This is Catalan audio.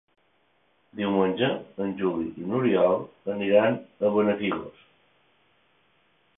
Diumenge en Juli i n'Oriol aniran a Benafigos.